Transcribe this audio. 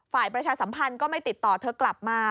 ประชาสัมพันธ์ก็ไม่ติดต่อเธอกลับมา